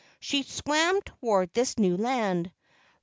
She swam toward this new land.